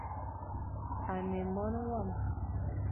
A ne é Mone wam.